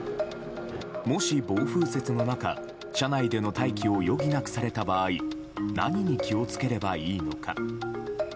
もし暴風雪の中、車内での待機を余儀なくされた場合何に気を付ければいいのか。